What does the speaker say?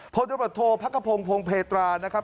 พศพระกระโพงพงศ์เพตรานะครับ